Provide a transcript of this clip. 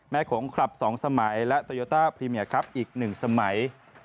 โขงคลับ๒สมัยและโตโยต้าพรีเมียครับอีก๑สมัย